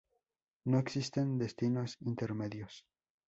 No existen destinos intermedios.